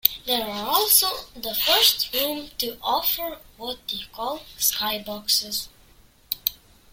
They are also the first room to offer what they call "SkyBoxes".